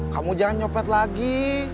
kamu jangan nyopet lagi